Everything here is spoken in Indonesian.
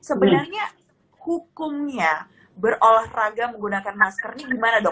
sebenarnya hukumnya berolahraga menggunakan masker ini gimana dok